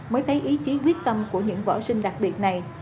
mới thấy ý chí quyết tâm của những võ sinh đặc biệt này